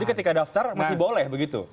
jadi ketika daftar masih boleh begitu